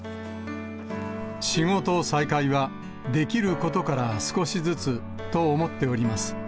仕事再開は、できることから少しずつと思っております。